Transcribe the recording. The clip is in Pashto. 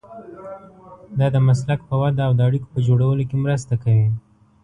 دا د مسلک په وده او د اړیکو په جوړولو کې مرسته کوي.